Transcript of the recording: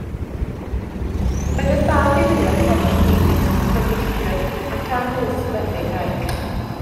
Roedd yn fab i William Thomas Davies, cyfreithiwr, ac Anne Elizabeth ei wraig.